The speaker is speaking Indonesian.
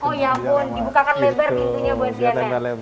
oh ya ampun dibukakan lebar pintunya buat cnn